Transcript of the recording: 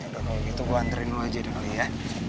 yaudah kalau gitu gue anterin lo aja deh boy ya